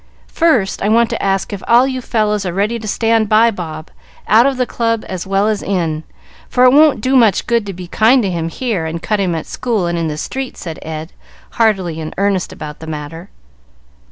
"First I want to ask if all you fellows are ready to stand by Bob, out of the club as well as in, for it won't do much good to be kind to him here and cut him at school and in the street," said Ed, heartily in earnest about the matter.